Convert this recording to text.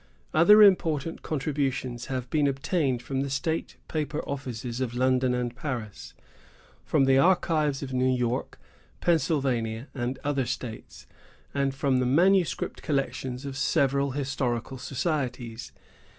Other important contributions have been obtained from the state paper offices of London and Paris, from the archives of New York, Pennsylvania, and other states, and from the manuscript collections of several historical societies.